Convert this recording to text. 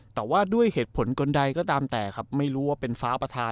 แต่ว่าด้วยเหตุผลคนใดก็ตามแต่ครับไม่รู้ว่าเป็นฟ้าประธาน